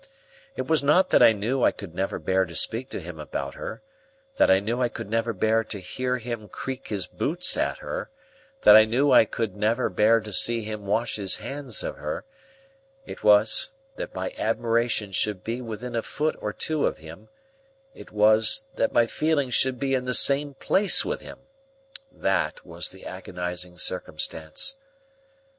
It was not that I knew I could never bear to speak to him about her, that I knew I could never bear to hear him creak his boots at her, that I knew I could never bear to see him wash his hands of her; it was, that my admiration should be within a foot or two of him,—it was, that my feelings should be in the same place with him,—that, was the agonizing circumstance.